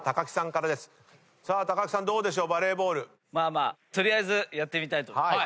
まあ取りあえずやってみたいと思います。